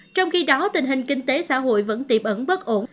trong khi đó tình hình kinh tế xã hội vẫn tiềm ẩn bất ổn